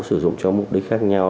sử dụng cho mục đích khác nhau